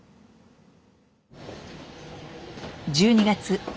１２月。